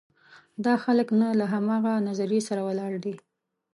دا خلک نه له همغه نظریې سره ولاړ دي.